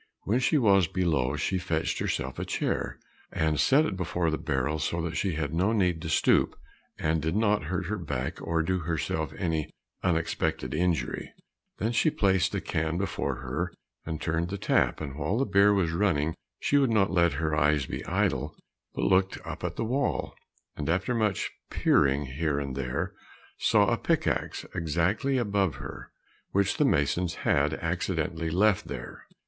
When she was below she fetched herself a chair, and set it before the barrel so that she had no need to stoop, and did not hurt her back or do herself any unexpected injury. Then she placed the can before her, and turned the tap, and while the beer was running she would not let her eyes be idle, but looked up at the wall, and after much peering here and there, saw a pick axe exactly above her, which the masons had accidentally left there.